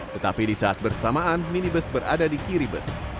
tetapi di saat bersamaan minibus berada di kiri bus